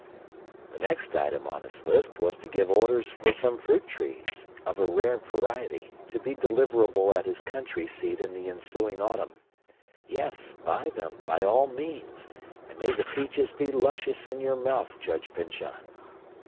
The next item on his list was to give orders for some fruit trees, of a rare variety, to be deliverable at his country seat in the ensuing autumn. Yes, buy them, by all means; and may the peaches be luscious in your mouth, Judge Pyncheon!